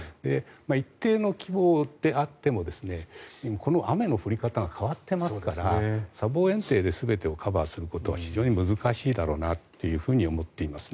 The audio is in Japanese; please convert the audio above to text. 一定の規模であってもこの雨の降り方が変わっていますから砂防えん堤で全てをカバーするのは非常に難しいだろうと思っています。